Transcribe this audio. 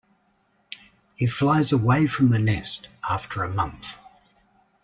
He flies away from the Nest after a month.